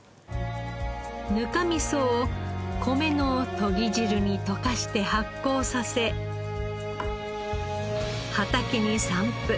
ぬかみそを米のとぎ汁に溶かして発酵させ畑に散布。